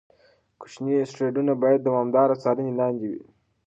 کوچني اسټروېډونه باید د دوامداره څارنې لاندې وي.